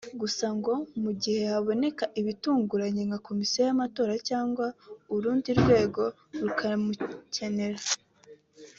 gusa ngo mu gihe haboneka ibitunguranye nka Komisiyo y’amatora cyangwa urundi rwego rukamukenera